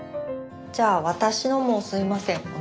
じゃあ私のもすいません。